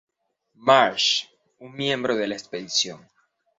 Marsh, un miembro de la expedición.